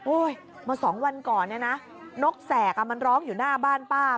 มา๒วันก่อนเนี่ยนะนกแสกมันร้องอยู่หน้าบ้านป้า